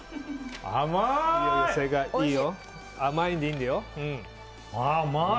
甘い。